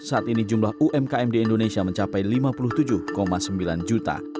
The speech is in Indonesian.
saat ini jumlah umkm di indonesia mencapai lima puluh tujuh sembilan juta